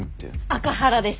アカハラです。